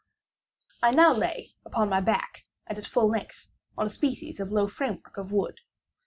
I now lay upon my back, and at full length, on a species of low framework of wood.